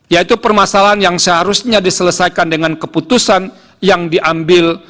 yaitu permasalahan yang seharusnya diselesaikan dengan keputusan yang diambil